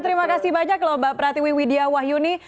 terima kasih banyak loh mbak pratiwi widya wahyuni